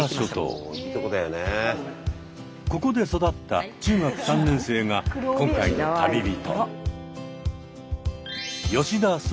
ここで育った中学３年生が今回の旅人。